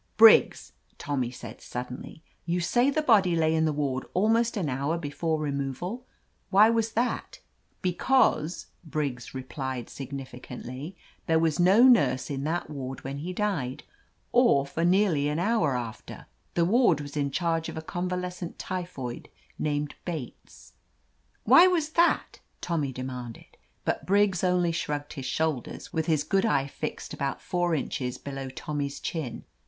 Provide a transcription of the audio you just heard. "Briggs," Tommy said suddenly, "you say the body lay in the ward almost an hour before removal. Why was that ?" "Because," Briggs replied significantly, "there was no nurse in that ward when he died, or for nearly an hour after. The ward was in charge of a convalescent typhoid named Bates." 93 THE AMAZING ADVENTURES "Why was that ?" Tommy demanded. But Briggs only shrugged his shoulders, with his good eye fixed about four inches bdow Tom my's chin.